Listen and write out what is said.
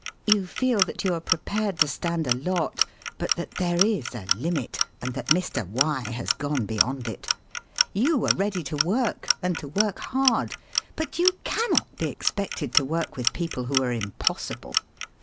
You feel that you are prepared to stand a lot, but that there is a limit and that Mr. Y has gone beyond it. You are ready to work, and to work hard, but you can not be expected to work with people who are im possible.